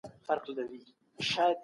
ټولنيز عدالت بايد وساتل سي.